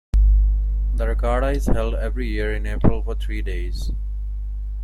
The regatta is held every year in April for three days.